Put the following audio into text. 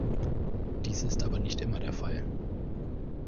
Dies ist aber nicht immer der Fall.